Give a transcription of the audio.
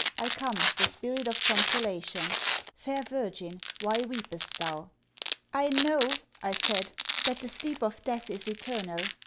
I come, the spirit of consolation. Fair virgin, why weepest thou?' 'I know,' I said, 'that the sleep of death is eternal.